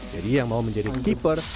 jadi yang mau menjadi keeper